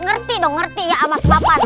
ngerti dong ngerti ya sama sebab apa